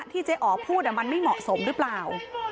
เจ๊อ๋อพูดมันไม่เหมาะสมหรือเปล่า